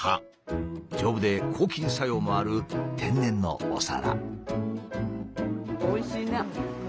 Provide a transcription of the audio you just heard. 丈夫で抗菌作用もある天然のお皿。